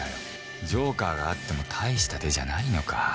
ジョーカーがあっても大した手じゃないのか